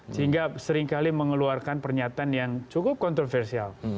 sehingga seringkali mengeluarkan pernyataan yang cukup kontroversial